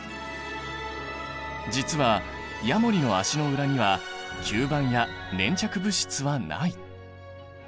実はヤモリの足の裏には吸盤や粘着物質はない。